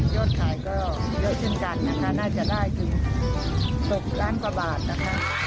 ยอดขายก็ยอดถึงกันนะคะน่าจะได้ถึง๑๐ล้านกว่าบาทนะคะ